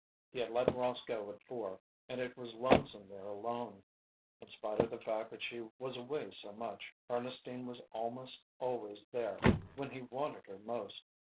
He had let Ross go at four, and it was lonesome there alone. In spite of the fact that she was away so much, Ernestine was almost always there when he wanted her most.